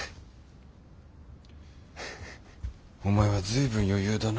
お前は随分余裕だな。